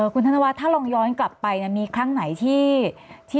คุณธนวัฒน์ถ้าลองย้อนกลับไปมีครั้งไหนที่